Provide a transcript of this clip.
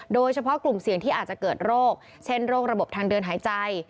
โดยเฉพาะกลุ่มเสี่ยงที่อาจจะเกิดโรคเช่นโรคระบบทางเดินหายใจ